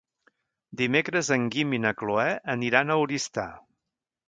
Dimecres en Guim i na Cloè aniran a Oristà.